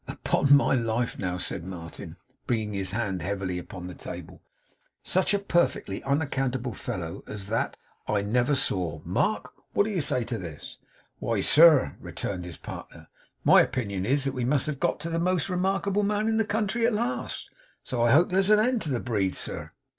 'Upon my life, now!' said Martin, bringing his hand heavily upon the table; 'such a perfectly unaccountable fellow as that, I never saw. Mark, what do you say to this?' 'Why, sir,' returned his partner, 'my opinion is that we must have got to the MOST remarkable man in the country at last. So I hope there's an end to the breed, sir.